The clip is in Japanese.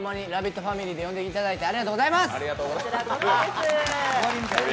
ファミリーで呼んでいただいてありがとうございます！